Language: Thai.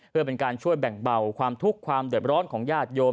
เพื่อเป็นการช่วยแบ่งเบาความทุกข์ความเดือดร้อนของญาติโยม